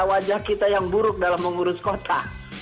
wajah kita yang buruk dalam mengurus kota